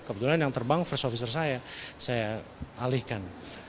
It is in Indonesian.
kebetulan yang terbang first officer saya saya alihkan